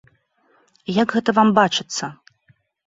Як гэта вам бачыцца?